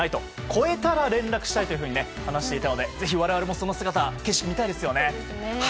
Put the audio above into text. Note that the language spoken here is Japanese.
超えたら連絡したいと話していたのでぜひ我々もその姿、景色を見たいですよね。